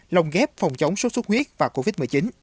lồng ghép phòng chống sốt xuất huyết và covid một mươi chín